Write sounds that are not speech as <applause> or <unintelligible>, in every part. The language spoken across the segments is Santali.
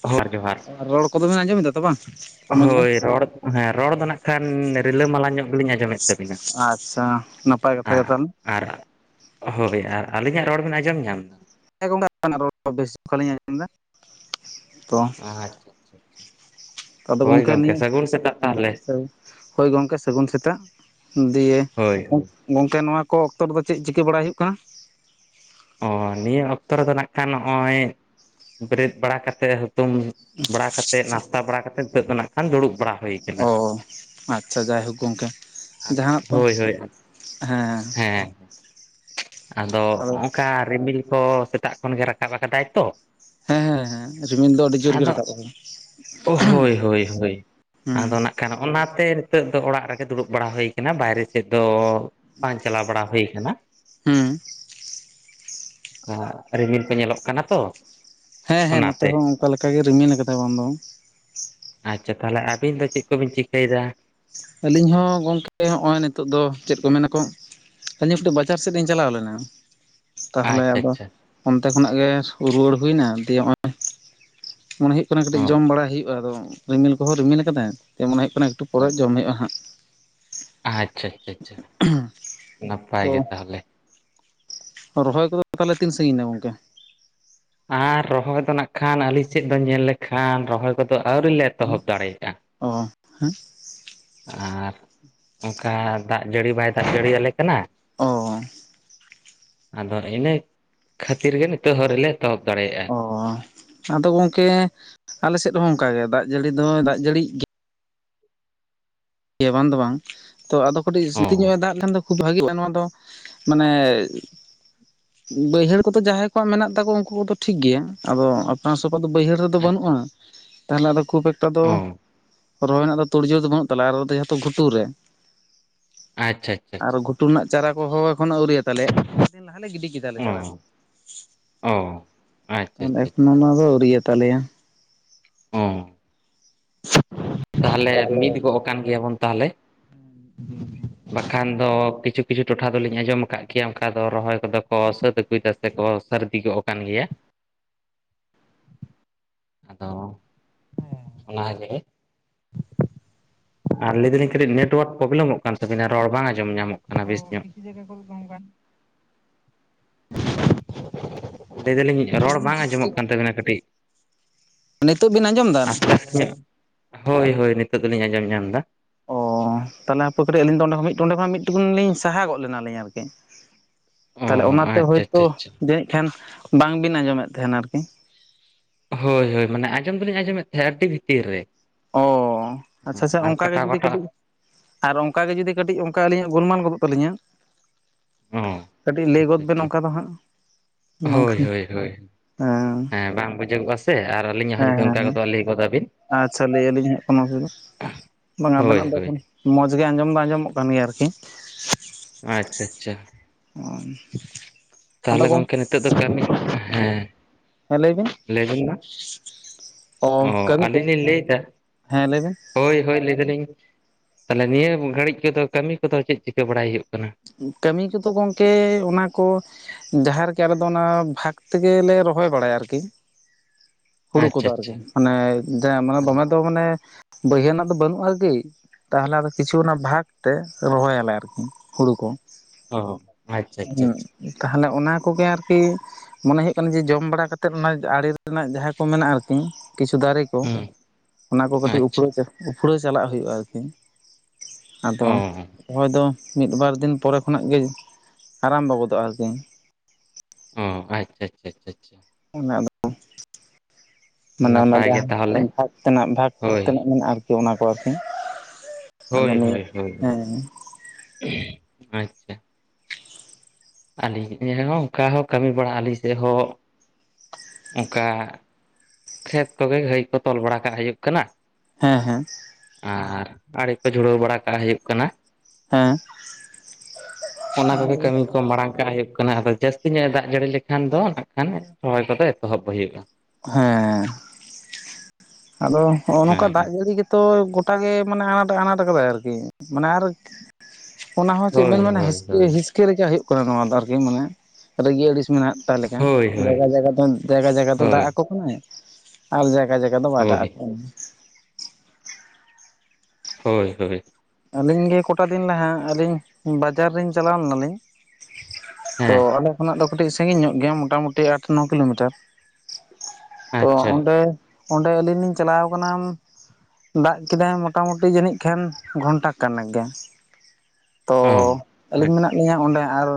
ᱡᱚᱦᱟᱨ ᱡᱚᱦᱟᱨ ᱟᱨ ᱨᱚᱲ ᱠᱚᱫᱚ ᱵᱮᱱ ᱟᱸᱡᱚᱢ ᱮᱫᱟ ᱛᱚ ᱵᱟᱝ ᱢᱚᱡᱽ ᱜᱮ? ᱦᱳᱭ ᱨᱚᱲ ᱦᱮᱸ ᱨᱚᱲ ᱫᱚ ᱱᱟᱜ ᱠᱷᱟᱱ ᱨᱤᱞᱟᱹᱢᱟᱞᱟ ᱧᱚᱜᱼᱟ ᱾ ᱟᱪᱪᱷᱟ ᱱᱟᱯᱟᱭ ᱠᱟᱛᱷᱟ ᱜᱮ ᱛᱟᱦᱚᱞᱮ ᱾ ᱟᱨ ᱦᱳᱭ, ᱟᱨ ᱟᱹᱞᱤᱧᱟᱜ ᱨᱚᱲ ᱵᱮᱱ ᱟᱸᱡᱚᱢ ᱧᱟᱢ? ᱦᱮᱸ, ᱜᱚᱝᱠᱮ <unintelligible> ᱨᱚᱲ ᱵᱮᱥ ᱜᱮ ᱞᱤᱧ ᱟᱸᱡᱚᱢᱮᱫᱟ ᱛᱚ ᱾ ᱮᱫᱟ ᱟᱪᱪᱷᱟ ᱟᱪᱪᱷᱟ ᱟᱪᱪᱷᱟ ᱾ ᱟᱫᱚ ᱜᱚᱝᱠᱮ ᱱᱤᱭᱟᱹ ᱦᱮᱸᱦᱳᱭ ᱜᱚᱝᱠᱮ, ᱥᱟᱹᱜᱩᱱ ᱥᱮᱛᱟᱜ ᱫᱤᱭᱮ ᱦᱳᱭ ᱦᱳᱭ ᱜᱚᱝᱠᱮ ᱱᱚᱣᱟ ᱠᱚ ᱚᱠᱛᱚ ᱨᱮᱫᱚ ᱪᱮᱫ ᱪᱤᱠᱟᱹ ᱵᱟᱲᱟᱭ ᱦᱩᱭᱩᱜ ᱠᱟᱱᱟ? ᱚ ᱱᱤᱭᱟᱹ ᱚᱠᱛᱚ ᱨᱮᱫᱚ ᱱᱟᱜ ᱠᱷᱟᱱ ᱱᱚᱜᱼᱚᱭ ᱵᱮᱨᱮᱫ ᱵᱟᱲᱟ ᱠᱟᱛᱮ ᱦᱩᱛᱩᱢ ᱵᱟᱲᱟ ᱠᱟᱛᱮᱫ ᱱᱟᱥᱛᱟ ᱵᱟᱲᱟ ᱠᱟᱛᱮᱫ ᱱᱤᱛᱚᱜ ᱫᱚ ᱱᱟᱜ ᱠᱷᱟᱱ ᱫᱩᱲᱩᱵ ᱵᱟᱲᱟ᱾ ᱦᱩᱭ ᱟᱠᱟᱱᱟ ᱚ ᱟᱪᱪᱷᱟ, ᱡᱟᱭᱦᱳᱠ ᱜᱚᱝᱠᱮ᱾ ᱟᱫᱚ ᱡᱟᱦᱟᱱᱟᱜ ᱠᱚ ᱦᱳᱭ ᱦᱳᱭ ᱦᱮᱸ ᱾ ᱟᱫᱚ ᱚᱠᱟ ᱨᱤᱢᱤᱞ ᱠᱚ ᱥᱮᱛᱟᱜ ᱠᱷᱚᱱ ᱜᱮ ᱨᱟᱠᱟᱵ ᱟᱠᱟᱫᱟᱭ ᱛᱚ ᱾ ᱦᱮᱸ ᱦᱮᱸ ᱦᱮᱸ ᱨᱤᱢᱤᱞ ᱫᱚ ᱟᱹᱰᱤ ᱡᱳᱨ ᱜᱮ ᱨᱟᱠᱟᱵ ᱠᱟᱱᱟ ᱾ ᱚ ᱦᱳᱭ ᱦᱳᱭ ᱦᱳᱭ, ᱦᱩᱸ ᱟᱫᱚ ᱱᱟᱜ ᱠᱟᱱᱟ ᱚᱱᱟᱛᱮ ᱱᱤᱛᱚᱜ ᱫᱚ ᱚᱲᱟᱜ ᱨᱮᱜᱮ ᱫᱩᱲᱩᱵ ᱵᱟᱲᱟ ᱦᱩᱭ ᱠᱟᱱᱟ, ᱵᱟᱭᱨᱮ ᱥᱮᱫ ᱫᱚ ᱵᱟᱝ ᱪᱟᱞᱟᱣ ᱵᱟᱲᱟ ᱦᱩᱭ ᱟᱠᱟᱱᱟ ᱾ ᱦᱩᱸ ᱾ ᱨᱤᱢᱤᱞ ᱠᱚ ᱧᱮᱞᱚᱜ ᱠᱟᱱᱟ ᱛᱚ ᱾ ᱦᱮᱸ ᱦᱮᱸ, ᱱᱚᱛᱮ ᱦᱚᱸ, ᱚᱱᱠᱟ ᱞᱮᱠᱟᱜᱮ ᱨᱤᱢᱤᱞ ᱟᱠᱟᱫᱟᱭ ᱵᱟᱝ ᱫᱚ ᱵᱟᱝ ᱟᱪᱪᱷᱟ, ᱛᱟᱦᱚᱞᱮ ᱟᱹᱵᱤᱱ ᱫᱚ ᱪᱮᱫ ᱠᱚᱵᱤᱱ ᱪᱤᱠᱟᱹᱭᱮᱫᱟ? ᱟᱹᱞᱤᱧ ᱦᱚᱸ ᱜᱚᱝᱠᱮ, ᱦᱚᱸᱜᱼᱚᱭ ᱱᱤᱛᱚᱜ ᱫᱚ ᱪᱮᱫ ᱠᱚ ᱢᱮᱱᱟᱠᱚ ᱟᱹᱞᱤᱧ ᱠᱟᱹᱴᱤᱡ ᱵᱟᱡᱟᱨ ᱥᱮᱫ ᱞᱤᱧ ᱪᱟᱞᱟᱣ ᱞᱮᱱᱟ ᱾ ᱛᱟᱦᱚᱞᱮ ᱟᱪᱪᱷᱟ ᱟᱫᱚ ᱟᱪᱪᱷᱟ ᱚᱱᱛᱮ ᱠᱷᱚᱱᱟᱜ ᱜᱮ ᱨᱩᱣᱟᱹᱲ ᱦᱩᱭᱱᱟ, ᱫᱤᱭᱮ ᱱᱚᱜᱼᱚᱭ ᱾ ᱢᱚᱱᱮ ᱦᱩᱭᱩᱜ ᱠᱟᱱᱟ ᱚ ᱠᱟᱹᱴᱤᱡ ᱡᱚᱢ ᱵᱟᱲᱟ ᱦᱩᱭᱩᱜᱼᱟ ᱾ᱟᱫᱚ ᱨᱤᱢᱤᱞ ᱠᱚᱦᱚᱸ ᱨᱤᱢᱤᱞ ᱟᱠᱟᱫᱟᱭ ᱢᱚᱱᱮ ᱦᱩᱭᱩᱜ ᱮᱠᱴᱩ ᱚ ᱯᱚᱨᱮ ᱡᱚᱢ ᱦᱩᱭᱩᱜᱼᱟ ᱦᱟᱸᱜ ᱾ ᱟᱪᱪᱷᱟ ᱟᱪᱪᱷᱟ ᱟᱪᱪᱷᱟ ᱾ ᱱᱟᱯᱟᱭ ᱛᱚ ᱜᱮ ᱛᱟᱦᱚᱞᱮ ᱾ ᱨᱚᱦᱚᱭ ᱠᱚᱫᱚ ᱛᱟᱦᱚᱞᱮ ᱛᱤᱱ ᱥᱟᱺᱜᱤᱧ ᱮᱱᱟ ᱜᱚᱝᱠᱮ? ᱟᱨ ᱨᱚᱦᱚᱭ ᱫᱚ ᱱᱟᱜ ᱠᱷᱟᱱ ᱟᱹᱞᱤᱧ ᱥᱮᱫ ᱫᱚ ᱧᱮᱞ ᱞᱮᱠᱷᱟᱱ ᱨᱚᱦᱚᱭ ᱠᱚᱫᱚ ᱟᱹᱣᱨᱤ ᱞᱮ ᱮᱛᱚᱦᱚᱵ ᱫᱟᱲᱮᱭᱟᱜᱼᱟ ᱚ ᱦᱮᱸ ᱾ ᱟᱨ ᱚᱱᱠᱟ ᱫᱟᱜ ᱡᱟᱹᱲᱤ ᱵᱟᱭ ᱫᱟᱜ ᱡᱟᱹᱲᱤᱭᱟᱞᱮ ᱠᱟᱱᱟ ᱾ ᱚᱸᱻ ᱾ ᱟᱫᱚ ᱤᱱᱟᱹ ᱠᱷᱟᱹᱛᱤᱨ ᱜᱮ ᱱᱤᱛᱚᱜ ᱦᱚᱸ ᱟᱹᱣᱨᱤ ᱨᱮᱞᱮ ᱮᱛᱚᱦᱚᱵ ᱫᱟᱲᱮᱭᱟᱜᱼᱟ ᱾ ᱚ ᱟᱫᱚ ᱜᱚᱝᱠᱮ ᱟᱞᱮ ᱥᱮᱫ ᱦᱚᱸ ᱚᱱᱠᱟ ᱜᱮ ᱫᱟᱜ ᱡᱟᱹᱲᱤ ᱫᱚ ᱫᱟᱜ ᱡᱟᱹᱲᱤ ᱜᱮ ᱵᱟᱝ ᱫᱚ ᱵᱟᱝ ᱛᱚ ᱟᱫᱚ ᱠᱟᱹᱴᱤᱡ ᱚ ᱥᱩᱛᱤᱧᱚᱜ ᱮ ᱫᱟᱜ ᱞᱮᱱᱠᱷᱟᱱ ᱫᱚ ᱠᱷᱩᱵ ᱵᱷᱟᱜᱤᱜᱼᱟ ᱱᱚᱣᱟ ᱫᱚ ᱢᱟᱱᱮ ᱵᱟᱹᱭᱦᱟᱹᱲ ᱠᱚᱫᱚ ᱡᱟᱦᱟᱸᱭ ᱠᱚᱣᱟᱜ ᱢᱮᱱᱟᱜ ᱛᱟᱠᱚ ᱩᱱᱠᱩ ᱠᱚᱫᱚ ᱴᱷᱤᱠ ᱜᱮᱭᱟ ᱟᱫᱚ ᱱᱚᱣᱟ ᱥᱚᱯᱷᱟ ᱫᱚ ᱵᱟᱹᱭᱦᱟᱹᱲ ᱨᱮ ᱫᱚ ᱵᱟ. ᱟᱪᱪᱷᱟ ᱱᱩᱜᱼᱟ ᱛᱟᱦᱞᱮ ᱟᱫᱚ ᱠᱷᱩᱵ ᱮᱠᱴᱟ ᱫᱚ ᱚ ᱨᱚᱦᱚᱭ ᱨᱮᱱᱟᱜ ᱫᱚ ᱛᱩᱲᱡᱳ ᱫᱚ ᱵᱟᱹᱱᱩᱜ ᱛᱟᱞᱮᱭᱟ ᱟᱨ ᱡᱮᱦᱮᱛᱩ ᱜᱷᱩᱴᱩ ᱨᱮ ᱟᱪᱪᱷᱟ ᱟᱪᱪᱷᱟ ᱟᱨ ᱟᱪᱪᱷᱟ ᱜᱷᱩ ᱴᱩ ᱨᱮᱱᱟᱜ ᱪᱟᱨᱟ ᱠᱚ ᱦᱚᱸ ᱮᱠᱷᱚᱱᱚ ᱟᱹᱣᱨᱤᱭᱟ ᱛᱟᱞᱮ ᱫᱤᱱ ᱞᱟᱦᱟᱞᱮ ᱜᱤᱰᱤ ᱠᱮᱫᱟᱞᱮ ᱪᱟᱨᱟ ᱠᱚ ᱚ ᱚ ᱟᱪᱪᱷᱟ ᱟᱪᱪᱷᱟ ᱮᱠᱷᱚᱱᱳ ᱟᱪᱪᱷᱟ ᱚᱱᱟ ᱫᱚ ᱟᱹᱣᱨᱤ ᱭᱟᱛᱟᱞᱮᱭᱟ᱾ ᱦᱚᱸᱻ <inaudible> ᱛᱟᱦᱮᱞᱮ ᱢᱤᱫ ᱜᱚᱜ ᱠᱟᱱ ᱜᱮᱭᱟᱵᱚᱱ ᱛᱟᱦᱮᱞᱮ᱾ ᱵᱟᱠᱷᱟᱱ ᱫᱚ ᱠᱤᱪᱷᱩᱼᱠᱤᱪᱷᱩ ᱴᱚᱴᱷᱟ ᱫᱚᱞᱤᱧ ᱟᱸᱡᱚᱢ ᱟᱠᱟᱫ ᱠᱮᱭᱟ ᱚᱱᱠᱟ ᱫᱚ ᱨᱚᱦᱚᱭ ᱠᱚᱫᱚ ᱠᱚ ᱥᱟᱹᱛ ᱟᱹᱜᱩᱭᱮᱫᱟ ᱥᱮᱠᱚ ᱥᱟᱹᱨᱫᱤ ᱜᱚᱜᱼᱟᱠᱟᱱ ᱜᱮᱭᱟ᱾ ᱟᱫᱚ ᱚᱱᱟᱜᱮ ᱟᱨ ᱞᱟᱹᱭ ᱫᱟᱹᱞᱤᱧ ᱠᱟᱹᱴᱤᱡ ᱱᱮᱴᱣᱟᱨᱠ ᱯᱨᱳᱵᱽᱞᱮᱢᱚᱜ ᱠᱟᱱ ᱛᱟᱹᱵᱤᱱᱟ ᱨᱚᱲ ᱵᱟᱝ ᱟᱸᱡᱚᱢ ᱧᱟᱢᱚᱜ ᱠᱟᱱᱟ ᱵᱮᱥ ᱧᱚᱜ ᱾ <inaudible> ᱞᱟᱹᱭ ᱫᱟᱞᱤᱧ ᱨᱚᱲ ᱵᱟᱝ ᱟᱸᱡᱚᱢᱚᱜ ᱠᱟᱱ ᱛᱟᱵᱤᱱᱟ ᱠᱟᱹᱴᱤᱡ ᱱᱤᱛᱚᱜ ᱵᱤᱱ ᱟᱸᱡᱚᱢ ᱮᱫᱟ? ᱦᱳᱭᱼᱦᱳᱭ ᱱᱤᱛᱚᱜ ᱫᱚᱞᱤᱧ ᱟᱸᱡᱚᱢ ᱧᱟᱢ ᱮᱫᱟ᱾ ᱚ ᱛᱟᱦᱚᱞᱮ ᱦᱟᱯᱮ ᱠᱟᱹᱴᱤᱡ ᱟᱹᱞᱤᱧ ᱫᱚᱸ ᱚᱸᱰᱮ ᱠᱷᱱᱟᱜ ᱢᱤᱫ ᱴᱩᱠᱩᱱ ᱞᱤᱧ ᱥᱟᱦᱟ ᱜᱚᱫ ᱞᱮᱱᱟᱞᱤᱧ ᱟᱨᱠᱤ᱾ ᱚ ᱛᱟᱦᱞᱮ ᱚᱱᱟᱛᱮ ᱟᱪᱪᱷᱟ ᱦᱳᱭᱛᱳ ᱟᱪᱪᱷᱟ ᱟᱪᱪᱷᱟ ᱡᱟᱹᱱᱤᱡ ᱠᱷᱟᱱ ᱵᱟᱝᱵᱤᱱ ᱟᱸᱡᱚᱢᱮᱫ ᱛᱟᱦᱮᱱᱟ ᱟᱨᱠᱤ᱾ ᱦᱳᱭᱼᱦᱳᱭ ᱢᱟᱱᱮ ᱟᱸᱡᱚᱢ ᱫᱚᱞᱤᱧ ᱟᱸᱡᱚᱢᱮᱫ ᱛᱟᱦᱮᱸᱫ ᱟᱹᱰᱤ ᱵᱷᱤᱛᱤᱨ ᱨᱮ᱾ ᱚᱻ ᱟᱪᱪᱷᱟᱼᱟᱪᱪᱷᱟ ᱟᱨ ᱚᱱᱠᱟᱜᱮ ᱠᱟᱴᱟᱣ ᱡᱩᱫᱤ ᱠᱟᱴᱟᱣ ᱠᱟᱹᱴᱤᱡ ᱟᱨ ᱚᱱᱠᱟ ᱜᱮ ᱡᱩᱫᱤ ᱠᱟ. ᱴᱤᱡ ᱚᱱᱠᱟ ᱜᱮ ᱟᱹᱞᱤᱧᱟᱜ ᱜᱩᱱᱢᱟᱱ ᱜᱚᱫᱚᱜ ᱛᱟᱹᱞᱤᱧᱟ ᱚ ᱠᱟᱹᱴᱤᱡ ᱞᱟᱹᱭ ᱜᱚᱫ ᱟᱪᱪᱷᱟ ᱵᱤᱱ ᱟᱪᱪᱷᱟ ᱚᱱᱠᱟ ᱫᱚ ᱦᱟᱸᱜ᱾ ᱦᱳᱭ ᱦᱳᱭ ᱦᱳᱭ ᱾ ᱦᱮᱸᱻ ᱦᱮᱸ ᱵᱟᱝ ᱵᱩᱡᱩᱜᱚᱜᱼᱟ ᱥᱮ ᱟᱨ ᱟᱹᱞᱤᱧᱟᱜ ᱦᱚᱸ ᱡᱩᱫᱤ ᱚᱱᱠᱟ ᱜᱚᱫᱚᱜ ᱞᱟᱹᱭ ᱜᱚᱫᱟᱵᱤᱱ᱾ ᱟᱪᱷᱟ ᱞᱟᱹᱭ ᱟᱹᱞᱤᱧ ᱦᱟᱸᱜ ᱠᱳᱱᱳ ᱚᱥᱩᱵᱤᱫᱟ ᱵᱟᱝ ᱦᱳᱭ ᱟᱵᱮᱱᱟᱜ ᱫᱚ ᱦᱳᱭ ᱮᱠᱷᱚᱱ ᱢᱚᱸᱡᱽ ᱜᱮ ᱟᱸᱡᱚᱢ ᱫᱚ ᱟᱸᱡᱚᱢᱚᱜ ᱠᱟᱱ ᱜᱮᱭᱟ ᱟᱨᱠᱤ ᱾ ᱟᱪᱪᱷᱟᱼᱟᱪᱪᱷᱟ <unintelligible> ᱟᱸᱫᱚ ᱛᱟᱦᱚᱞᱮ ᱜᱚᱢ ᱜᱚᱝᱠᱮ ᱱᱤᱛᱚᱜ ᱫᱚ ᱠᱟᱹᱢᱤ ᱦᱮᱸ ᱦᱮᱸ ᱞᱟᱹᱭ ᱵᱤᱱ ᱞᱟᱹᱭᱵᱤᱱ ᱢᱟ ᱚ ᱠᱟᱹᱢᱤ ᱠᱚ ᱦᱮᱸ ᱞᱟᱹᱭᱵᱮᱱ ᱦᱳᱭᱼᱦᱳᱭ ᱞᱟᱹᱭ ᱮᱫᱟᱞᱤᱧ ᱛᱟᱦᱚᱞᱮ ᱱᱤᱭᱟᱹ ᱜᱷᱟᱹᱲᱤᱡ ᱠᱚᱫᱚ ᱠᱟᱹᱢᱤ ᱠᱚᱫᱚ ᱪᱮᱫ ᱪᱤᱠᱟᱹ ᱵᱟᱲᱟᱭ ᱦᱩᱭᱩᱜ ᱠᱟᱱᱟ? ᱠᱟᱹᱢᱤ ᱠᱚᱫᱚ ᱜᱚᱢᱠᱮ ᱚᱱᱟ ᱠᱚ ᱡᱟᱦᱟᱸ ᱨᱮᱜᱮ ᱟᱞᱮᱫᱚ ᱚᱱᱟ ᱵᱷᱟᱜᱽ ᱛᱮᱜᱮᱞᱮ ᱨᱚᱦᱚᱭ ᱵᱟᱲᱟᱭᱟ ᱟᱨᱠᱤ ᱦᱩᱲᱩ ᱟᱪᱪᱷᱟ ᱠᱚᱫᱚ ᱟᱨᱠᱤ ᱟᱪᱪᱷᱟ ᱢᱟᱱᱮᱼᱢᱟᱱᱮ ᱫᱚᱢᱮ ᱫᱚ ᱢᱟᱱᱮ ᱵᱟᱹᱭᱦᱟᱹᱲ ᱨᱮᱱᱟᱜ ᱫᱚ ᱵᱟᱹᱱᱩᱜ ᱟᱨᱠᱤ ᱛᱟᱦᱚᱞᱮ ᱟᱫᱚ ᱠᱤᱪᱷᱩ ᱚᱱᱟ ᱵᱷᱟᱜᱽ ᱛᱮ ᱨᱚᱦᱚᱭᱟᱞᱮ ᱟᱨᱠᱤ ᱦᱩᱲᱩ ᱠᱚ᱾ ᱚ ᱦᱚ ᱟᱪᱪᱷᱟᱻᱟᱪᱪᱷᱟᱻ ᱟᱪᱪᱷᱟᱻ ᱛᱟᱦᱚᱞᱮ ᱚᱱᱟ ᱠᱚᱜᱮ ᱟᱨᱠᱤ ᱢᱚᱱᱮ ᱦᱩᱭᱩᱜ ᱠᱟᱱᱟ ᱡᱮ ᱡᱚᱢ ᱵᱟᱲᱟ ᱠᱟᱛᱮᱫ ᱚᱱᱟ ᱟᱲᱮ ᱨᱮᱱᱟᱜ ᱡᱟᱦᱟᱸ ᱠᱚ ᱢᱮᱱᱟᱜᱼᱟ ᱟᱨᱠᱤ ᱠᱤᱪᱷᱩ ᱫᱟᱨᱮ ᱦᱩᱸ <unintelligible> ᱚᱱᱟ ᱠᱚ ᱠᱟᱹᱴᱤᱡ ᱟᱪᱪᱷᱟ ᱩᱯᱷᱲᱟ ᱩᱠᱷᱲᱟᱹᱣ ᱪᱟᱞᱟᱜ ᱦᱩᱭᱩᱜᱼᱟ ᱟᱨᱠᱤ ᱟᱫᱚ ᱚ ᱚᱠᱚᱭ ᱫᱚ ᱢᱤᱫ ᱵᱟᱨ ᱫᱤᱱ ᱯᱚᱨᱮ ᱠᱷᱚᱱᱟᱜ ᱜᱮ ᱟᱨᱟᱢᱵᱷᱚ ᱜᱚᱫᱚᱜ-ᱟ ᱟᱨᱠᱤ ᱚᱻ ᱟᱪᱪᱷᱟᱻ ᱟᱪᱷᱟᱻ ᱟᱪᱷᱟᱻ ᱟᱪᱟ ᱚᱱᱟᱫᱚ ᱢᱟᱱᱮ ᱚᱱᱟ ᱱᱟᱯᱟᱭ ᱜᱮ ᱡᱟᱦᱟᱸ ᱛᱟᱦᱚᱞᱮ ᱵᱷᱟᱜᱽ ᱛᱮᱱᱟᱜ ᱵᱷᱟᱜᱽ ᱦᱳᱭ ᱛᱮᱱᱟᱜ ᱢᱮᱱᱟᱜ-ᱟ ᱟᱨᱠᱤ ᱚᱱᱟ ᱠᱚ ᱟᱨᱠᱤ, ᱦᱳᱭ ᱟᱫᱚ ᱱᱤᱭᱟᱹ ᱦᱳᱭ ᱦᱳᱭ ᱦᱮᱸ ᱦᱮᱸ᱾ ᱟᱪᱪᱷᱟ ᱟᱹᱞᱤᱧ ᱦᱚᱸ ᱚᱱᱠᱟ ᱦᱚᱸ ᱠᱟᱹᱢᱤ ᱵᱟᱲᱟᱜ ᱟᱹᱞᱤᱧ ᱥᱮᱫ ᱦᱚᱸ ᱚᱱᱠᱟ ᱠᱷᱮᱛ ᱛᱚᱵᱮ ᱜᱟᱹᱭ ᱠᱚ ᱛᱚᱞ ᱵᱟᱲᱟ ᱠᱟᱜ ᱦᱩᱭᱩᱜ ᱠᱟᱱᱟ᱾ ᱦᱮᱸ ᱦᱮᱸ ᱟᱨ ᱟᱹᱲᱮ ᱠᱚ ᱡᱩᱲᱟᱹᱣ ᱵᱟᱲᱟ ᱠᱟᱜ ᱦᱩᱭᱩᱜ ᱠᱟᱱᱟ᱾ ᱦᱮᱸ ᱚᱱᱟ ᱠᱚᱜᱮ ᱠᱟᱹᱢᱤ ᱠᱚ ᱢᱟᱲᱟᱝ ᱠᱟᱜ ᱦᱩᱭᱩᱜ ᱠᱟᱱᱟ ᱟᱫᱚ ᱡᱟᱹᱥᱛᱤ ᱧᱚᱜ ᱮ ᱫᱟᱜ ᱡᱟᱹᱲᱤ ᱞᱮᱠᱷᱟᱱ ᱫᱚ ᱱᱟᱜ ᱠᱷᱟᱱ ᱨᱚᱦᱚᱭ ᱠᱚᱫᱚ ᱮᱛᱚᱦᱚᱵ ᱦᱩᱭᱩᱜᱼᱟ ᱦᱮᱸ ᱟᱫᱚ ᱦᱚᱸ ᱚ ᱱᱚᱝᱠᱟ ᱫᱟᱜ ᱦᱮᱸ ᱡᱟᱹᱲᱤ ᱜᱮᱼᱼ ᱛᱚ ᱜᱚᱴᱟᱜ ᱜᱮ ᱢᱟᱱᱮ ᱟᱱᱟᱴ ᱟᱱᱟᱴ ᱠᱟᱫᱟᱭ ᱟᱨᱠᱤ ᱢᱟᱱᱮ ᱟᱨᱼᱼ ᱚᱱᱟ ᱦᱚᱸ ᱪᱮᱫ ᱦᱳᱭ ᱵᱮᱱ ᱢᱮᱱᱟ ᱦᱳᱭ ᱦᱤᱥᱠᱤᱼᱼ ᱦᱳᱭ ᱦᱤᱥᱠᱟ ᱞᱮᱠᱟ ᱦᱩᱭᱩᱜ ᱠᱟᱱᱟ ᱱᱚᱣᱟ ᱫᱚ ᱟᱨᱠᱤ ᱢᱟᱱᱮ ᱨᱟᱹᱜᱤ ᱟᱹᱲᱤᱥ ᱢᱮᱱᱟᱜᱼᱼ ᱚᱠᱟ ᱞᱮᱠᱟ ᱦᱳᱭ ᱦᱳᱭ ᱡᱟᱭᱜᱟ ᱡᱟᱭᱜᱟ ᱡᱟᱭᱜᱟ ᱡᱟᱭᱜᱟ ᱫᱚ ᱫᱟᱜ ᱦᱳᱭ ᱟᱠᱚ ᱠᱟᱱᱟᱭ ᱟᱨ ᱡᱟᱭᱜᱟ ᱡᱟᱭᱜᱟ ᱾ ᱠᱚᱫᱚ ᱫᱚ ᱵᱟᱭ ᱫᱟᱜ ᱦᱳᱭ ᱟᱠᱚ᱾ ᱦᱳᱭ ᱦᱳᱭ ᱟᱹᱞᱤᱧ ᱜᱮ ᱠᱚᱴᱟ ᱫᱤᱱ ᱱᱟᱜ ᱟᱹᱞᱤᱧ ᱵᱟᱡᱟᱨ ᱨᱤᱧ ᱪᱟᱞᱟᱣ ᱞᱮᱱᱟᱞᱤᱧ ᱛᱚ ᱦᱮᱸ ᱟᱞᱮ ᱠᱷᱚᱱᱟᱜ ᱫᱚ ᱠᱟᱹᱴᱤᱡ ᱥᱟᱺᱜᱤᱧ ᱧᱚᱜ ᱜᱮᱭᱟ ᱢᱚᱴᱟᱢᱩᱴᱤ ᱟᱴ ᱱᱚ ᱠᱤᱞᱳᱢᱤᱴᱟᱨ ᱛᱚ ᱟᱪᱪᱷᱟ ᱚᱸᱰᱮ ᱚᱸᱰᱮ ᱟᱞᱤᱧ ᱞᱤᱧ ᱪᱟᱞᱟᱣ ᱠᱟᱱᱟ ᱫᱟᱜ ᱠᱮᱫᱟᱭ ᱢᱚᱴᱟᱢᱩᱴᱤ ᱡᱟᱹᱱᱤᱡ ᱠᱷᱟᱱ ᱜᱷᱚᱱᱴᱟ ᱠᱟᱱ ᱜᱮ ᱛᱚ ᱚ ᱟᱹᱞᱤᱧ ᱟᱪᱪᱷᱟ ᱢᱮᱱᱟᱜ ᱞᱤᱧᱟᱹ ᱚᱸᱰᱮ ᱟᱨ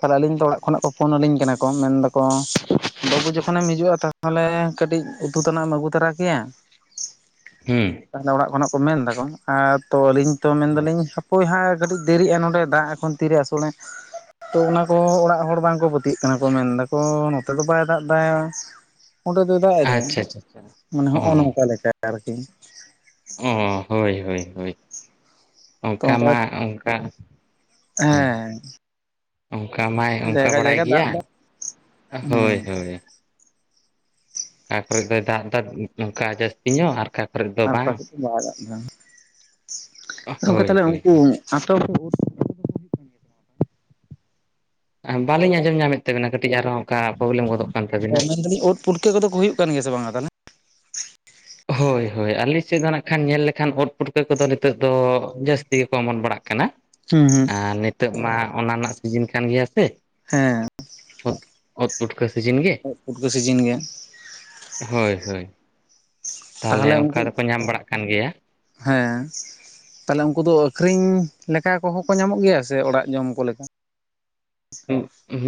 ᱛᱟᱦᱚᱞᱮ ᱟᱹᱞᱤᱧ ᱛᱚ ᱚᱲᱟᱜ ᱠᱷᱚᱱᱟᱜ ᱠᱚ ᱯᱷᱳᱱ ᱟᱹᱞᱤᱧ ᱠᱟᱱᱟ ᱠᱚ ᱢᱮᱱ ᱫᱟᱠᱚ ᱵᱟᱹᱵᱩ ᱡᱚᱠᱷᱚᱱᱮᱢ ᱦᱤᱡᱩᱜᱼᱟ ᱛᱼᱼ ᱛᱟᱦᱚᱞᱮ ᱠᱟᱹᱴᱤᱡ ᱩᱛᱩ ᱛᱮᱟᱱᱟᱜ ᱮᱢ ᱟᱹᱜᱩ ᱛᱚᱨᱟ ᱠᱮᱭᱟ ᱦᱩᱸ ᱛᱟᱦᱚᱞᱮ ᱚᱲᱟᱜ ᱠᱷᱚᱱᱟᱜ ᱠᱚ ᱢᱮᱱ ᱮᱫᱟᱠᱚ ᱟᱨ ᱛᱚ ᱟᱹᱞᱤᱧ ᱛᱚ ᱢᱮᱱᱫᱟᱞᱤᱧ ᱟᱪᱪᱷᱟ ᱦᱟᱯᱳᱭ ᱦᱟᱸᱜ ᱠᱟᱹᱴᱤᱡ ᱫᱮᱨᱤᱜᱼᱟ ᱱᱚᱸᱰᱮ ᱫᱟᱜ ᱮᱠᱷᱚᱱ ᱛᱤᱨᱮ ᱟᱥᱳᱲᱟᱭ ᱛᱚ ᱚᱱᱟ ᱠᱚ ᱚᱲᱟᱜ ᱦᱚᱲ ᱵᱟᱝᱠᱚ ᱯᱟᱹᱛᱭᱟᱹᱜ ᱠᱟᱱᱟ ᱠᱚ ᱢᱮᱱ ᱫᱟᱠᱚ ᱱᱚᱛᱮ ᱫᱚ ᱵᱟᱭ ᱫᱟᱜ ᱫᱟᱭ <unintelligible> ᱚᱸᱰᱮ ᱫᱚᱭ ᱫᱟᱜ ᱮᱫᱟᱭ ᱟᱪᱪᱷᱟ ᱟᱪᱪᱷᱟ ᱢᱟᱱᱮ ᱚ ᱦᱚᱜᱼᱚᱭ ᱱᱚᱝᱠᱟ ᱞᱮᱠᱟ ᱟᱨᱠᱤ ᱚ ᱦᱳᱭ ᱦᱳᱭ ᱦᱳᱭ ᱚᱱᱠᱟ ᱢᱟ ᱚᱱᱠᱟ ᱦᱮᱸ ᱚᱱᱠᱟ ᱢᱟᱭ ᱚᱱᱠᱟ ᱡᱟᱭᱜᱟ ᱵᱟᱲᱟᱭ ᱡᱟᱭᱜᱟ ᱫᱟᱜ ᱜᱮᱭᱟ ᱫᱚ ᱦᱳᱭ ᱦᱮᱸ ᱦᱳᱭ ᱚᱠᱟ ᱠᱚᱨᱮ ᱫᱚᱜᱼ ᱫᱟᱜ ᱫᱟᱭ ᱱᱚᱝᱠᱟ ᱡᱟᱹᱥᱛᱤ ᱧᱚᱜ ᱟᱨ ᱚᱠᱟ ᱠᱚᱨᱮ ᱫᱚ ᱟᱨ ᱚᱠᱟ ᱵᱟᱝ ᱵᱟᱭᱟᱜᱫᱟ ᱟ ᱜᱚᱢᱠᱮ ᱦᱳᱭ ᱛᱟᱦᱚᱞᱮ ᱦᱳᱭ ᱩᱱᱠᱩ ᱟᱛᱳ ᱦᱚᱲᱠᱚ ᱵᱷᱳᱨ ᱟ ᱵᱟᱹᱞᱤᱧ ᱟᱸᱡᱚᱢ ᱧᱟᱢᱮᱫ ᱛᱟᱵᱤᱱᱟ ᱠᱟᱹᱴᱤᱡ ᱟᱨᱦᱚᱸ ᱚᱱᱠᱟ ᱯᱨᱚᱵᱞᱮᱢ ᱜᱚᱫᱚᱜ ᱠᱟᱱ ᱛᱟᱵᱤᱱᱟ ᱢᱮᱱᱫᱟᱞᱤᱧ ᱩᱫ ᱯᱩᱴᱠᱟᱹ ᱠᱚᱫᱚ ᱠᱚ ᱦᱩᱭᱩᱜ ᱠᱟᱱ ᱜᱮᱭᱟ ᱥᱮ ᱵᱟᱝ ᱛᱟᱦᱚᱞᱮ ᱦᱳᱭ ᱦᱳᱭ ᱟᱞᱮ ᱥᱮᱫ ᱫᱚ ᱱᱟᱜ ᱠᱷᱟᱱ ᱦᱚᱭ ᱦᱚᱭ ᱟᱞᱮ ᱥᱮᱱ ᱫᱚ ᱱᱟᱜ ᱠᱷᱟᱱ ᱧᱮᱞ ᱞᱮᱠᱷᱟᱱ ᱩᱫ ᱯᱩᱴᱠᱟᱹ ᱠᱚᱫᱚ ᱱᱤᱛᱚᱜ ᱫᱚ ᱡᱟᱹᱥᱛᱤ ᱜᱮᱠᱚ ᱚᱢᱚᱱ ᱵᱟᱲᱟᱜ ᱠᱟᱱᱟ ᱦᱩᱸ ᱦᱩᱸ ᱟᱨ ᱱᱤᱛᱳ ᱢᱟ ᱚᱱᱟ ᱨᱮᱱᱟᱜ ᱥᱤᱡᱤᱱ ᱠᱟᱱ ᱜᱮᱭᱟ ᱥᱮ ᱦᱮᱸ ᱩᱫ, ᱯᱩᱴᱠᱟᱹ ᱥᱤᱡᱤᱱ ᱜᱮ ᱩᱫ ᱯᱩᱴᱠᱟᱹ ᱥᱤᱡᱤᱱ ᱜᱮ ᱦᱳᱭ ᱦᱳᱭ ᱛᱟᱦᱚᱞᱮ ᱚᱱᱠᱟ ᱫᱚᱠᱚ ᱧᱟᱢ ᱵᱟᱲᱟᱜ ᱠᱟᱱ ᱜᱮᱭᱟ ᱦᱮᱸ ᱛᱟᱦᱚᱞᱮ ᱩᱱᱠᱩ ᱫᱚ ᱟᱹᱠᱷᱨᱤᱧ ᱞᱮᱠᱟ ᱠᱚᱦᱚᱸ ᱠᱚ ᱧᱟᱢᱚᱜ ᱜᱮᱭᱟ ᱥᱮ ᱚᱲᱟᱜ ᱡᱚᱢ ᱠᱚ ᱞᱮᱠᱟ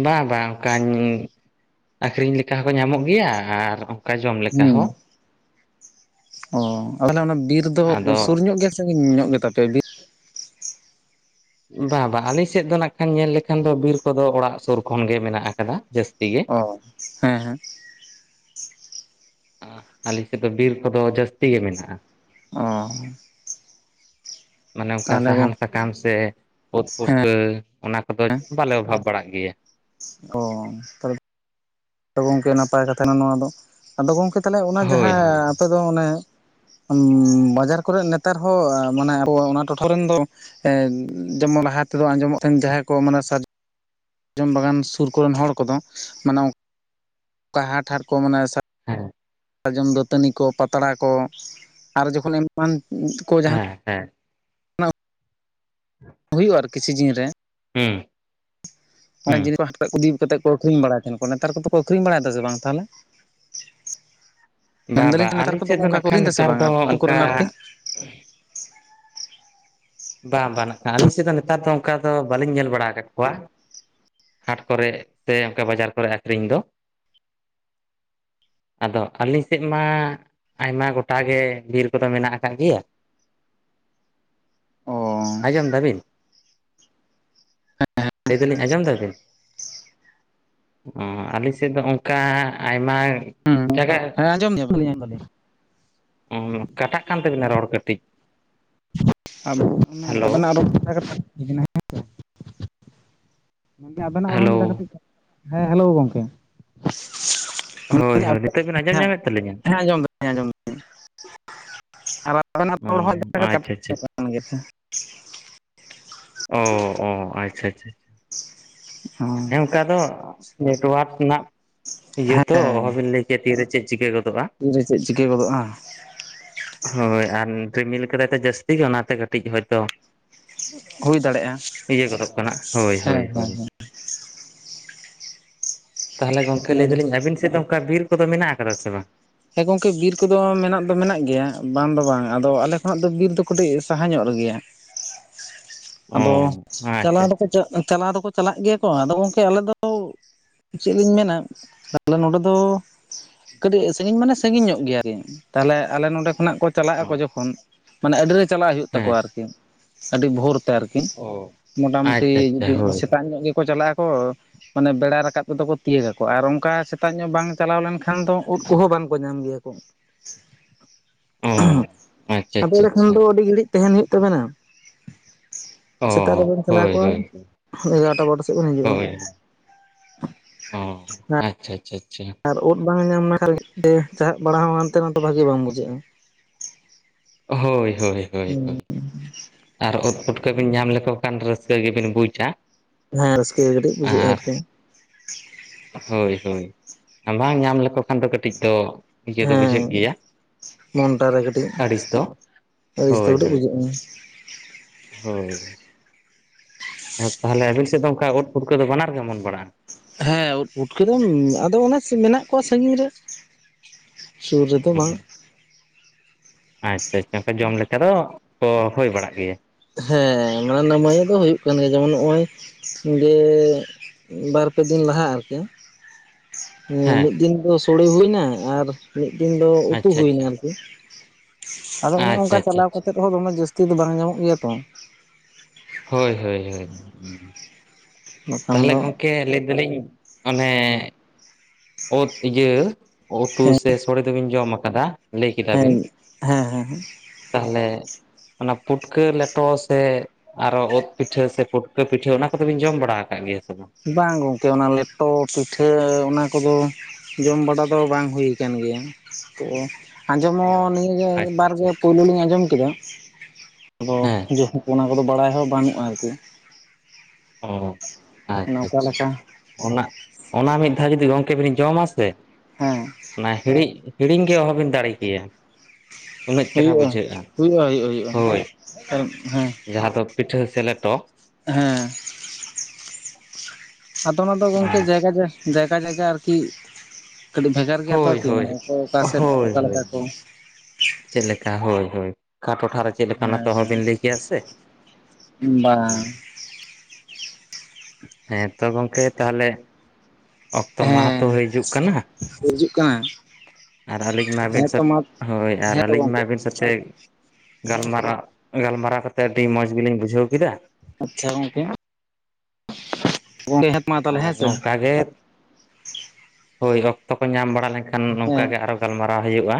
ᱵᱟᱝ ᱵᱟᱝ ᱚᱱᱠᱟᱧ ᱟᱠᱷᱨᱤᱧ ᱞᱮᱠᱟ ᱦᱚᱸᱠᱚ ᱧᱟᱢᱚᱜ ᱜᱮᱭᱟ ᱟᱨᱼᱼ ᱚᱱᱠᱟ ᱡᱚᱢ ᱞᱮᱠᱟ ᱦᱩᱸ ᱦᱚᱸ ᱚ ᱛᱟᱦᱚᱞᱮ ᱚᱱᱟ ᱵᱤᱨ ᱫᱚ ᱥᱩᱨ ᱟᱫᱚ ᱧᱚᱜ ᱜᱮ ᱥᱮ ᱧᱚᱜ ᱜᱮᱛᱟᱯᱮᱭᱟ ᱵᱤᱨ ᱵᱟ ᱵᱟᱝ ᱟᱞᱤᱧ ᱥᱮᱫ ᱫᱚ ᱱᱟᱜ ᱠᱷᱟᱱ ᱧᱮᱞ ᱞᱮᱠᱷᱟᱱ ᱫᱚ ᱵᱤᱨ ᱠᱚᱫᱚ ᱚᱲᱟᱜ ᱥᱩᱨ ᱠᱷᱚᱱ ᱜᱮ ᱢᱮᱱᱟᱜ ᱟᱠᱟᱫᱟ ᱡᱟᱹᱥᱛᱤ ᱜᱮ ᱚ ᱦᱮᱸ ᱦᱮᱸ ᱟ ᱟᱞᱮ ᱥᱮᱫ ᱫᱚ ᱵᱤᱨ ᱠᱚᱫᱚ ᱡᱟᱹᱥᱛᱤ ᱜᱮ ᱢᱮᱱᱟᱜᱼᱟ ᱚ ᱢᱟᱱᱮ ᱚᱱᱠᱟ ᱛᱟᱦᱚᱞᱮ ᱜᱚ ᱥᱟᱦᱟᱱ ᱥᱟᱠᱟᱢ ᱥᱮ ᱩᱫ ᱦᱮᱸ ᱯᱩᱴᱠᱟᱹ ᱚᱱᱟ ᱠᱚᱫᱚ ᱵᱟᱞᱮ ᱚᱵᱷᱟᱵ ᱵᱟᱲᱟᱜ ᱜᱮᱭᱟ ᱚ ᱛᱟᱦᱞᱮᱫᱚ ᱛᱚ ᱜᱚᱢᱠᱮ ᱱᱟᱯᱟᱭ ᱠᱟᱛᱷᱟ ᱠᱟᱱᱟ ᱱᱚᱣᱟ ᱫᱚ ᱟᱫᱚ ᱜᱚᱢᱠᱮ ᱛᱟᱦᱚᱞᱮ ᱚᱱᱟ ᱦᱳᱭ ᱡᱟᱦᱟᱸ ᱦᱳᱭ ᱟᱯᱮ ᱫᱚ ᱚᱱᱮ ᱵᱟᱡᱟᱨ ᱠᱚᱨᱮ ᱱᱮᱛᱟᱨ ᱦᱚᱸ ᱢᱟᱱᱮ ᱟᱵᱚ ᱚᱱᱟ ᱴᱚᱴᱷᱟ ᱨᱤᱱ ᱫᱚ ᱡᱮᱢᱚᱱ ᱦᱟᱴ ᱨᱮᱫᱚ ᱟᱸᱡᱚᱢᱚᱜ ᱛᱟᱦᱮᱱ ᱡᱟᱦᱟᱸᱭ ᱠᱚ ᱢᱟᱱᱮ ᱥᱟᱨᱡ ᱥᱟᱨᱡᱚᱢ ᱵᱟᱜᱟᱱ <unintelligible> ᱥᱩᱨ ᱠᱚᱨᱮᱱ ᱦᱚᱲ ᱠᱚᱫᱚ ᱢᱟᱱᱮ ᱚᱠᱟ ᱦᱟᱴ ᱦᱟᱴ ᱠᱚ ᱢᱟᱱᱮ ᱦᱮᱸ ᱥᱟᱨᱡᱚᱢ ᱫᱟᱹᱛᱟᱹᱱᱤ ᱠᱚ ᱯᱟᱛᱲᱟ ᱠᱚ ᱟᱨ ᱡᱚᱠᱷᱚᱱ ᱮᱢᱟᱱ ᱠᱚ ᱦᱮᱸ <unintelligible> ᱦ <unintelligible> ᱦᱮ <unintelligible> ᱦᱩᱭᱩᱜ-ᱟ ᱟᱨ ᱠᱤᱪᱷᱩ ᱫᱤᱱ ᱨᱮ ᱦᱩᱸ ᱦᱩᱸ ᱡᱤᱱᱤᱥ ᱠᱚ ᱦᱟᱴ ᱤᱫᱤ ᱠᱟᱛᱮᱫ ᱠᱚ ᱟᱹᱷᱨᱤᱧ ᱵᱟᱲᱟᱭ ᱛᱟᱦᱮᱱ ᱠᱚ ᱱᱮᱛᱟᱨ ᱠᱚᱫᱚᱠᱚ ᱟᱹᱠᱷᱨᱤᱧ ᱵᱟᱲᱟᱭᱮᱫᱟ ᱥᱮ ᱵᱟᱝ ᱛᱟᱦᱚᱞᱮ ᱵᱟ ᱵᱟ ᱢᱮᱱᱫᱟᱞᱤᱧ ᱟᱞᱮ ᱱᱮᱛᱟᱨ ᱠᱚᱫᱚ ᱥᱮᱫ ᱫᱚ ᱚᱱᱠᱟ ᱱᱟᱜ ᱠᱚ ᱠᱷᱟᱱ ᱟᱹᱠᱷᱨᱤᱧ ᱮᱫᱟ ᱥᱮ ᱱᱮᱛᱟᱨ ᱵᱟᱝ ᱫᱚ ᱟᱹᱛᱩ ᱚᱱᱠᱟ ᱠᱚᱨᱮᱱ ᱟᱨᱠᱤ ᱵᱟᱝ ᱵᱟᱝ ᱟᱹᱞᱤᱧ ᱥᱮᱫ ᱫᱚ ᱱᱮᱛᱟᱨ ᱫᱚ ᱚᱱᱠᱟ ᱫᱚ ᱵᱟᱹᱞᱤᱧ ᱧᱮᱞ ᱵᱟᱲᱟ ᱟᱠᱟᱫ ᱠᱚᱣᱟ ᱦᱟᱴ ᱠᱚᱨᱮ ᱥᱮ ᱚᱱᱠᱟ ᱵᱟᱡᱟᱨ ᱠᱚᱨᱮ ᱟᱠᱷᱨᱤᱧ ᱫᱚ ᱟᱫᱚ ᱟᱹᱞᱤ ᱥᱮᱫ ᱢᱟ ᱟᱭᱢᱟ ᱜᱚᱴᱟᱜ ᱜᱮ ᱵᱤᱨ ᱠᱚᱫᱚ ᱢᱮᱱᱟᱜ ᱟᱠᱟᱫ ᱜᱮᱭᱟ ᱚ ᱟᱸᱡᱚᱢ ᱮᱫᱟᱵᱤᱱ ᱞᱟᱹᱭ ᱫᱟᱞᱤᱧ ᱟᱸᱡᱚᱢ ᱮᱫᱟᱵᱤᱱ ᱦᱩᱸ ᱟᱞᱤᱧ ᱥᱮᱫ ᱫᱚ ᱚᱱᱠᱟ ᱟᱭᱢᱟ ᱦᱩᱸ ᱮᱴᱟᱜᱟᱜ ᱦᱮᱸ ᱟᱸᱡᱚᱢ ᱧᱟᱢ ᱫᱟᱞᱤᱧ <unintelligible> ᱠᱟᱴᱟᱜ ᱠᱟᱱ ᱛᱟᱵᱤᱱᱟ ᱨᱚᱲ ᱠᱟᱹᱴᱤᱡ ᱟᱛ ᱦᱮᱞᱳ <unintelligible> ᱢᱮᱱ ᱮᱫᱟᱞᱤᱧ ᱟᱵᱤᱱᱟᱜ ᱦᱚᱸ ᱨᱚᱲ ᱦᱮᱞᱳ ᱠᱟᱹᱴᱤᱡ ᱦᱮᱸ ᱦᱮᱞᱳ ᱜᱚᱝᱠᱮ ᱦᱳᱭ ᱦᱳᱭ ᱱᱤᱛᱚᱜ ᱵᱤᱱ ᱟᱸᱡᱚᱢ ᱧᱟᱢᱮᱫ ᱛᱟᱹᱞᱤᱧᱟ ᱟᱸᱡᱚᱢ ᱦᱮᱸ ᱟᱸᱡᱚᱢ ᱮᱫᱟᱞᱤᱧ ᱟᱵᱟᱨ ᱚᱵᱤᱱᱟᱜ ᱚ ᱨᱚᱲ ᱦᱚᱸ ᱠᱟᱴᱟᱜ ᱟᱪᱪᱷᱟ ᱟᱪᱪᱷᱟ <unintelligible> ᱚᱱᱟ ᱜᱮ ᱥᱮ ᱚ ᱚ ᱟᱪᱪᱷᱟ ᱟᱪᱪᱷᱟ ᱦ ᱦᱮᱸ <unintelligible> ᱚᱱᱠᱟ ᱫᱚ ᱱᱮᱴᱣᱟᱨᱠ ᱨᱮᱱᱟᱜ ᱤᱭᱟᱹ ᱛᱚ ᱦᱮᱸ ᱚᱦᱚᱵᱤᱱ ᱞᱟᱹᱭ ᱠᱮᱭᱟ ᱛᱤᱨᱮ ᱪᱮᱫ ᱪᱤᱠᱟᱹ ᱜᱚᱫᱚᱜ-ᱟ ᱛᱤ ᱨᱮ ᱪᱮᱫ ᱪᱤᱠᱟᱹ ᱜᱚᱫᱚᱜ-ᱟ ᱦᱚᱭ ᱟᱨ ᱨᱤᱢᱤᱞ ᱟᱠᱟᱫᱟᱭ ᱛᱚ ᱡᱟᱹᱥᱛᱤ ᱜᱮ ᱚᱱᱟᱛᱮ ᱠᱟᱹᱴᱤᱡ ᱦᱚᱭᱛᱚ ᱦᱩᱭ ᱫᱟᱲᱮᱭᱟᱜᱼᱟ ᱤᱭᱟᱹ ᱜᱚᱫᱚᱜ ᱠᱟᱱᱟ ᱦᱳᱭ ᱦᱳᱭ ᱦᱮᱸ ᱦᱮᱸ ᱦᱮᱸ ᱛᱟᱦᱚᱞᱮ ᱜᱚᱝᱠᱮ ᱚᱱᱟ ᱞᱟᱹᱭ ᱫᱚ᱾ ᱫᱟᱞᱤᱧ ᱟᱵᱤᱱ ᱥᱮᱫ ᱫᱚ ᱚᱱᱠᱟ ᱵᱤᱨ ᱠᱚᱫᱚ ᱢᱮᱱᱟᱜ ᱟᱠᱟᱫᱟ ᱥᱮ ᱵᱟᱝ ᱦᱮᱸ ᱜᱚᱢᱠᱮ ᱵᱤᱨ ᱠᱚᱫᱚ ᱢᱮᱱᱟᱜ ᱫᱚ ᱢᱮᱱᱟᱜ ᱜᱮᱭᱟ ᱵᱟᱝ ᱫᱚ ᱵᱟᱝ ᱟᱫᱚ ᱟᱞᱮ ᱠᱷᱚᱱᱟᱜ ᱫᱚ ᱵᱤᱨ ᱫᱚ ᱠᱟᱹᱴᱤᱡ ᱥᱟᱦᱟ ᱧᱚᱜ ᱨᱮᱜᱮᱭᱟ <inaudible> ᱟᱫᱚ ᱟᱪᱪᱷᱟ ᱟᱪᱪᱷᱟ ᱪᱟᱞᱟᱣ ᱫᱚᱠᱚ ᱪᱟᱞᱟᱜ ᱜᱮᱭᱟ ᱠᱚ ᱟᱫᱚ ᱜᱚᱝᱠᱮ ᱟᱞᱮ ᱫᱚ ᱪᱮᱫ ᱞᱤᱧ ᱢᱮᱱᱟ ᱛᱟᱦᱚᱞᱮ ᱱᱚᱰᱮ ᱫᱚ ᱠᱟᱹᱴᱤᱡ ᱥᱟᱺᱜᱤᱧ ᱢᱟᱱᱮ ᱥᱟᱺᱜᱤᱧ ᱧᱚᱜ ᱜᱮᱭᱟᱠᱤ ᱛᱟᱦᱚᱞᱮ ᱟᱞᱮ ᱱᱚᱸᱰᱮ ᱠᱷᱚᱱᱟᱜ ᱠᱚ ᱪᱟᱞᱟᱜ ᱚ ᱟᱠᱚ ᱡᱚᱠᱷᱚᱱ ᱢᱟᱱᱮ ᱟᱹᱰᱤ ᱨᱮ ᱪᱟᱞᱟᱜ ᱦᱩᱭᱩᱜ ᱦᱮᱸ ᱛᱟᱠᱚᱣᱟ ᱟᱨᱠᱤ ᱟᱹᱰᱤ ᱵᱷᱳᱨ ᱛᱮ ᱟᱨᱠᱤ ᱚ ᱢᱚᱴᱟᱢᱩᱴᱤ ᱟᱪᱪᱷᱟ ᱟᱪᱪᱷᱟ ᱦᱳᱭ ᱥᱮᱛᱟᱜ ᱧᱚᱜ ᱜᱮᱠᱚ ᱪᱟᱞᱟᱜ ᱟᱠᱚ ᱢᱟᱱᱮ ᱵᱮᱲᱟ ᱨᱟᱠᱟᱵ ᱛᱮᱫᱚ ᱠᱚ ᱛᱤᱭᱟᱜᱟᱠᱚ ᱟᱨ ᱚᱱᱠᱟ ᱥᱮᱛᱟᱜ ᱧᱚᱜ ᱵᱟᱝ ᱪᱟᱞᱟᱣ ᱞᱮᱱᱠᱷᱟᱱ ᱫᱚ ᱩᱫ ᱠᱩᱦᱚᱸ ᱵᱟᱝᱠᱚ ᱧᱟᱢ ᱜᱮᱭᱟ ᱠᱚ ᱚ ᱟᱪᱪᱷᱟ ᱟᱫᱚ ᱟᱪᱪᱷᱟ ᱮᱱᱮᱠᱷᱟᱱ ᱟᱪᱪᱷᱟ ᱫᱚ ᱟᱹᱰᱤ ᱜᱷᱟᱹᱲᱤᱡ ᱛᱟᱸᱦᱮᱱ ᱦᱩᱭᱩᱜ ᱛᱟᱵᱤᱱᱟ ᱥᱮᱛᱟᱜ ᱚ ᱨᱮᱵᱮᱱ ᱪᱟᱞᱟᱣ ᱦᱳᱭ ᱦᱳᱭ ᱠᱚᱜ-ᱟ ᱮᱜᱟᱨᱚᱴᱟ ᱵᱚᱨᱚᱴᱟ ᱥᱮᱫ ᱵᱤᱱ ᱦᱤᱡᱩᱜ-ᱟ ᱚᱸ ᱟᱪᱪᱷᱟ ᱟᱪᱪᱷᱟ ᱟᱪᱪᱷᱟ ᱟᱨ ᱩᱫ ᱵᱟᱝ ᱧᱟᱢ ᱞᱮᱠᱷᱟᱱ ᱜᱮ ᱪᱟᱦᱟᱵ ᱵᱟᱲᱟ ᱦᱚᱸ ᱦᱟᱱᱛᱮ ᱱᱚᱛᱮ ᱵᱷᱟᱹᱜᱤ ᱵᱟᱝ ᱵᱩᱡᱷᱟᱹᱜ-ᱟ ᱦᱳᱭ ᱦᱳᱭ ᱦᱳᱭ ᱦᱳᱭ ᱟᱨ ᱩᱫ ᱯᱩᱴᱠᱟᱹ ᱵᱤᱱ ᱧᱟᱢ ᱞᱮᱠᱚ ᱠᱷᱟᱱ ᱨᱟᱹᱥᱠᱟᱹ ᱜᱮᱵᱤᱱ ᱵᱩᱡᱽᱼᱟ ᱦᱮᱸ ᱨᱟᱹᱥᱠᱟᱹ ᱜᱮ ᱠᱟᱹᱴᱤᱡ ᱵᱩᱡᱷᱟᱹᱜ-ᱟ ᱟᱨᱠᱤ ᱦᱳᱭ ᱦᱳᱭ ᱵᱟᱝ ᱧᱟᱢ ᱞᱮᱠᱚ ᱠᱷᱟᱱ ᱫᱚ ᱠᱟᱹᱴᱤᱡ ᱫᱚ ᱤᱭᱟᱹ ᱫᱚ ᱵᱩᱡᱷᱟᱹᱜ ᱜᱮᱭᱟ ᱢᱚᱱᱴᱟᱨᱮ ᱠᱟᱹᱴᱤᱡ ᱟᱹᱲᱤᱥ ᱫᱚ ᱨᱥᱠᱟᱹ ᱦᱳᱭ ᱠᱟᱹᱴᱤᱡ ᱦᱳᱭ ᱵᱩᱡᱷᱟᱹᱜ ᱜᱮ ᱦᱳᱭ ᱛᱟᱦᱚᱞᱮ ᱟᱵᱤᱱ ᱥᱮᱫ ᱫᱚ ᱚᱱᱠᱟ ᱩᱫ ᱯᱩᱴᱠᱟᱹ ᱫᱚ ᱵᱟᱱᱟᱨ ᱜᱮ ᱚᱢᱚᱱ ᱵᱟᱲᱟᱜᱼᱟ ᱦᱮᱸ ᱯᱩᱴᱠᱟᱹ ᱫᱚ ᱟᱫᱚ ᱚᱱᱮ ᱢᱮᱱᱟᱜ ᱠᱚᱣᱟ ᱥᱟᱹᱜᱤᱧ ᱨᱮ ᱥᱩᱨ ᱚ, ᱨᱮᱫᱚ ᱵᱟᱝ ᱟᱪᱪᱷᱟ ᱟᱪᱪᱷᱟ ᱚᱱᱠᱟ ᱡᱚᱢ ᱞᱮᱠᱟ ᱫᱚ ᱛᱚ ᱦᱩᱭ ᱵᱟᱲᱟᱜ ᱜᱮᱭᱟ᱾ ᱦᱮᱸ ᱢᱟᱱᱮ ᱱᱟᱢᱟᱭᱮ ᱫᱚ ᱦᱩᱭᱩᱜ ᱠᱟᱱ ᱜᱮᱭᱟ ᱡᱮᱢᱚᱱ ᱱᱚᱜᱼᱚᱭ ᱡᱮ ᱵᱟᱨ ᱯᱮ ᱫᱤᱱ ᱞᱟᱦᱟᱜ ᱟᱨ ᱠᱤ᱾ <inaudible> ᱢᱤᱫ ᱫᱤᱱ ᱫᱚ ᱥᱳᱲᱮ ᱦᱩᱭᱱᱟ ᱟᱨ ᱢᱤᱫ ᱫᱤᱱ ᱫᱚ ᱩᱛᱩ ᱟᱪᱪᱷᱟ ᱦᱩᱭᱱᱟ ᱟᱪᱪᱷᱟ ᱟᱨᱠᱤ᱾ ᱟᱫᱚ ᱚᱱᱮ ᱟᱪᱪᱷᱟ ᱚᱱᱠᱟ ᱟᱪᱪᱷᱟ ᱪᱟᱞᱟᱣ ᱟᱪᱪᱷᱟ ᱠᱟᱛᱮᱜ ᱨᱮᱦᱚᱸ ᱫᱚᱢᱮ ᱡᱟᱹᱥᱛᱤ ᱫᱚ ᱵᱟᱝ ᱧᱟᱢᱚᱜ ᱜᱮᱭᱟ ᱛᱚ᱾ ᱦᱳᱭ ᱦᱳᱭ ᱦᱳᱭ ᱵᱟᱠᱷᱟᱱ ᱛᱟᱦᱚᱞᱮ ᱫᱚ ᱜᱚᱝᱠᱮ ᱞᱟᱹᱭ ᱫᱟᱞᱤᱧ ᱚᱱᱮ- <unintelligible> ᱤᱭᱟᱹ ᱩᱛᱩ ᱥᱮ ᱥᱳᱲᱮ ᱫᱚᱵᱤᱱ ᱡᱚᱢ ᱟᱠᱟᱫᱟ᱾ ᱞᱟᱹᱭ ᱠᱮᱫᱟ ᱦᱮᱸ ᱦᱮᱸ ᱵᱤᱱ ᱦᱮᱸ ᱦᱮᱸ ᱛᱟᱦᱚᱞᱮ᱾ ᱚᱱᱟ ᱯᱩᱴᱠᱟᱹ ᱞᱮᱴᱚ ᱥᱮ ᱟᱨᱚ ᱚᱛ ᱯᱤᱴᱷᱟᱹ ᱥᱮ ᱯᱩᱴᱠᱟᱹ ᱯᱤᱴᱷᱟᱹ ᱚᱱᱟ ᱠᱚᱫᱚᱚᱵᱤᱱ ᱡᱚᱢ ᱵᱟᱲᱟ ᱟᱠᱟᱫ ᱜᱮᱭᱟ ᱥᱮ ᱵᱟᱝ? ᱵᱟᱝ ᱜᱚᱝᱠᱮ ᱚᱱᱟ ᱞᱮᱴᱚ, ᱯᱤᱴᱷᱟᱹ ᱚᱱᱟ ᱠᱚᱫᱚ ᱡᱚᱢ ᱵᱟᱲᱟ ᱫᱚ ᱵᱟᱝ ᱦᱩᱭ ᱟᱠᱟᱱ ᱜᱮᱭᱟ ᱛᱚ ᱟᱸᱡᱚᱢ ᱚ ᱦᱚᱸ ᱟᱪᱪᱷᱟ ᱱᱤᱭᱟᱹᱵᱟᱨ ᱟᱪᱪᱷᱟ ᱜᱮ ᱟᱪᱪᱷᱟ ᱯᱳᱭᱞᱳ ᱞᱤᱧ ᱟᱸᱡᱚᱢ ᱠᱮᱫᱟ᱾ ᱟᱫᱚ ᱦᱮᱸ <unintelligible> ᱚᱱᱟ ᱠᱚᱫᱚ ᱵᱟᱲᱟᱭ ᱦᱚᱸ ᱵᱟᱹᱱᱩᱜᱼᱟ ᱟᱨᱠᱤ᱾ ᱚ ᱚᱱᱟ ᱟᱪᱪᱷᱟ ᱚᱠᱟ ᱟᱪᱪᱷᱟ ᱞᱮᱠᱟ ᱚᱱᱟ ᱚᱱᱟ ᱢᱤᱫ ᱫᱷᱟᱣ ᱡᱩᱫᱤ ᱜᱚᱝᱠᱮ ᱵᱤᱱ ᱡᱚᱢᱟ ᱥᱮ- ᱦᱮᱸ ᱦᱤᱲᱧ ᱦᱤᱲᱤᱧ ᱜᱮ ᱚᱦᱚᱵᱤᱱ ᱫᱟᱲᱮ ᱠᱮᱭᱟ᱾ ᱩᱱᱟᱹᱜ ᱪᱮᱨᱦᱟ ᱦᱩᱭᱩᱜᱼᱟ ᱵᱩᱡᱷᱟᱹᱜᱼᱟ ᱦᱩᱭᱩᱜᱼᱟ ᱦᱩᱭᱩᱜᱼᱟ ᱦᱩᱭᱩᱜᱼᱟ ᱦᱳᱭ ᱟᱨ ᱦᱮᱸ ᱡᱟᱦᱟᱸ ᱫᱚ ᱯᱤᱴᱷᱟᱹ ᱥᱮ ᱞᱮᱴᱚ ᱦᱮᱸ ᱟᱫᱚ ᱚᱱᱟᱫᱚ ᱜᱚᱝᱠᱮ ᱡᱟᱭᱜᱟ ᱡᱟᱭᱜᱟ ᱟᱨᱠᱤ ᱠᱟᱹᱴᱤᱡ ᱵᱷᱮᱜᱟᱨ ᱜᱮᱭᱟ ᱛᱚ ᱦᱳᱭ ᱟᱨᱠᱤ ᱦᱳᱭ ᱢᱟᱱᱮ ᱚᱠᱟᱥᱮᱫ ᱚᱠᱟ ᱞᱮᱠᱟ ᱠᱚ ᱪᱮᱫᱮ ᱞᱮᱠᱟ ᱦᱳᱭ ᱦᱳᱭ ᱚᱠᱟ ᱴᱚᱴᱷᱟᱨ ᱨᱮ᱾ ᱪᱮᱫ ᱞᱮᱠᱟᱱᱟᱜ ᱛᱚ ᱟᱦᱚ ᱵᱤᱱ ᱦᱮᱸ ᱞᱟᱹᱭ ᱠᱮᱭᱟ ᱥᱮ᱾ ᱵᱟᱝ <unintelligible> ᱦᱮᱸ ᱛᱚ ᱜᱚᱝᱠᱮ ᱛᱟᱦᱚᱞᱮ ᱚᱠᱛᱚ ᱢᱟᱦᱟ ᱦᱮᱸ ᱛᱚ ᱦᱤᱡᱩᱜ ᱠᱟᱱᱟ᱾ ᱦᱤᱡᱩᱜ ᱠᱟᱱᱟ᱾ ᱟᱨ ᱟᱹᱞᱤᱧ ᱟᱵᱤᱱ ᱦᱮᱸ ᱛᱚ ᱢᱟ <unintelligible> ᱦᱳᱭ ᱟᱨ ᱦᱮᱸ ᱛᱚ ᱟᱹᱞᱤᱧ ᱜᱚᱝᱠᱮ ᱟᱵᱤᱱ ᱥᱟᱶ ᱛᱮ ᱜᱟᱞᱢᱟᱨᱟᱣ ᱜᱟᱞᱢᱟᱨᱟᱣ ᱠᱟᱛᱮᱜ ᱟᱹᱰᱤ ᱢᱚᱸᱡᱽ ᱜᱮᱞᱤᱧ ᱵᱩᱡᱷᱟᱹᱣ ᱠᱮᱫᱟ᱾ ᱟᱪᱪᱷᱟ ᱜᱚᱝᱠᱮ <inaudible> ᱟᱨ ᱥᱮ ᱱᱚᱝᱠᱟ ᱜᱮ ᱦᱳᱭ ᱚᱠᱛᱚ ᱠᱚ ᱧᱟᱢ ᱵᱟᱲᱟ ᱞᱮᱱᱠᱷᱟᱱ ᱱᱚᱝᱠᱟ ᱦᱮᱸ ᱜᱮ ᱟᱨᱚ ᱜᱟᱞᱢᱟᱨᱟᱣ ᱦᱩᱭᱩᱜᱼᱟ᱾